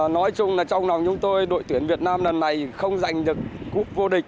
nói chung là trong lòng chúng tôi đội tuyển việt nam lần này không giành được vô địch